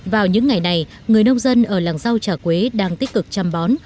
vào những ngày này người nông dân ở làng rau trà quế đang tích cực chăm bón